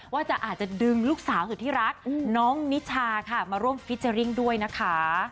อาจจะอาจจะดึงลูกสาวสุดที่รักน้องนิชาค่ะมาร่วมฟิเจอร์ริ่งด้วยนะคะ